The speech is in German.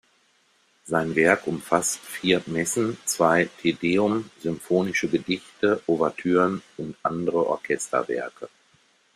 Sein Werk umfasst vier Messen, zwei Te Deum, symphonische Gedichte, Ouvertüren und andere Orchesterwerke.